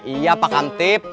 iya pak kamtip